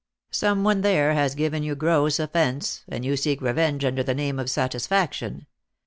Some one there has given you gross offence, and you seek re venge under the name of satisfaction.